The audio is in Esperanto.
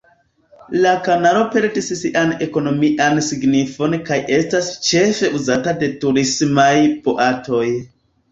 La kanalo perdis sian ekonomian signifon kaj estas ĉefe uzata de turismaj boatoj.